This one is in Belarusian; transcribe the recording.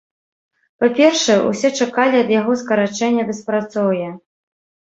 Па-першае, усе чакалі ад яго скарачэння беспрацоўя.